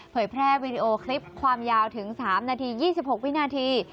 แพร่วีดีโอคลิปความยาวถึง๓นาที๒๖วินาที